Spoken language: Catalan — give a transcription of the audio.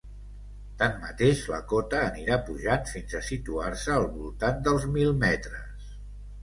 Tanmateix, la cota anirà pujant fins a situar-se al voltant dels mil metres.